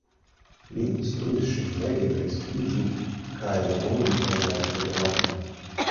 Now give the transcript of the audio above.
Li instruis ŝin legi kaj skribi kaj labori per la telegrafo.